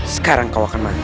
sekarang kau akan mati